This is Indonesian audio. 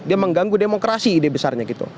dia mengganggu demokrasi ide besarnya gitu